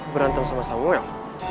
berantem sama samuel